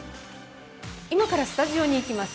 ◆今からスタジオに行きます。